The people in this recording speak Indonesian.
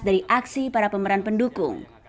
dari aksi para pemeran pendukung